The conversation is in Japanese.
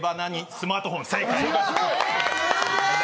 スマートフォン、正解！